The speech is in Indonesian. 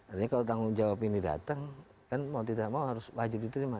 artinya kalau tanggung jawab ini datang kan mau tidak mau harus wajib diterima